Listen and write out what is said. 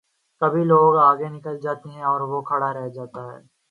کبھی لوگ آگے نکل جاتے ہیں اور وہ کھڑا رہ جا تا ہے۔